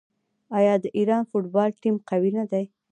آیا د ایران فوټبال ټیم قوي نه دی؟